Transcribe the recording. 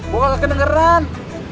gue gak kedengeran